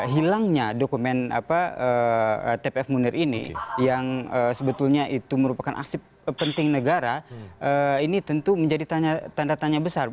hilangnya dokumen tpf munir ini yang sebetulnya itu merupakan aksi penting negara ini tentu menjadi tanda tanya besar